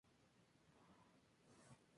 Inyección electrónica, con inyector bomba.